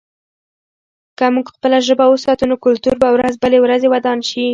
که موږ خپله ژبه وساتو، نو کلتور به ورځ بلې ورځې ودان شي.